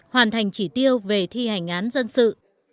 hoàn thành chỉ tiêu về thi hành án dân sự